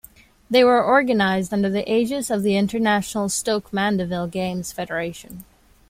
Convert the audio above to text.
They were organised under the aegis of the International Stoke Mandeville Games Federation.